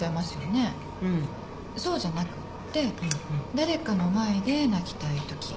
そうじゃなくって誰かの前で泣きたいとき。